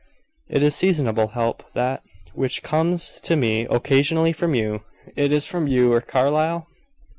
It is seasonable help, that, which comes to me occasionally from you. Is it from you or Carlyle?"